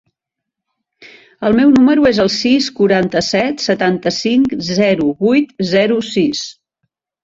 El meu número es el sis, quaranta-set, setanta-cinc, zero, vuit, zero, sis.